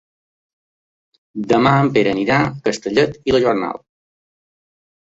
Demà en Pere irà a Castellet i la Gornal.